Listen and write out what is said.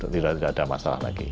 tidak ada masalah lagi